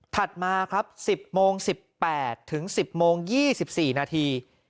มาครับ๑๐โมง๑๘ถึง๑๐โมง๒๔นาที